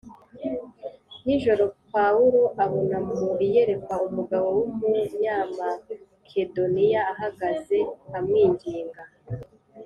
nijoro Pawulo abona mu iyerekwa umugabo w’ Umunyamakedoniya ahagaze amwinginga